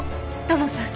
土門さん？